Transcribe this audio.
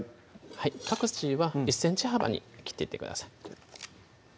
パクチーは１ｃｍ幅に切っていってください